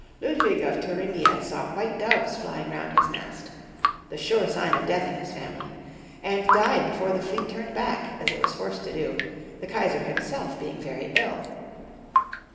Ludwig of Thuringia saw white doves flying round his mast — the sure sign of death in his family — and died before the fleet turned back, as it was forced to do, the Eaisar himself being very ill.